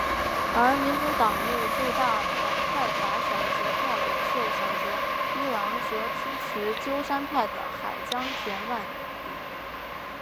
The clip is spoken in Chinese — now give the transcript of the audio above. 而民主党内最大派阀小泽派领袖小泽一郎则支持鸠山派的海江田万里。